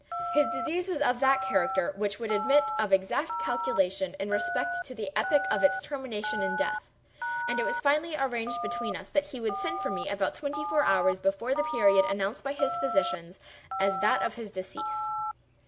His disease was of that character which would admit of exact calculation in respect to the epoch of its termination in death; and it was finally arranged between us that he would send for me about twenty four hours before the period announced by his physicians as that of his decease.